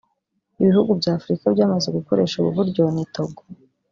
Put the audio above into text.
Ibihugu bya Afrika byamaze gukoresha ubu buryo ni Togo